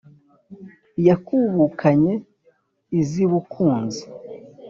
yakubukanye iz'i bukunzi